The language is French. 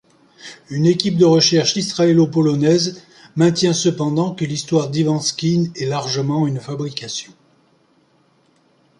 Une équipe de recherche israélo-polonaise maintient, cependant, que l'histoire d'Iwanski est largement une fabrication.